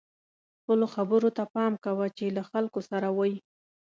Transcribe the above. خپلو خبرو ته پام کوه چې له خلکو سره وئ.